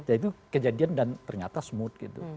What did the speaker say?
jadi itu kejadian dan ternyata smooth gitu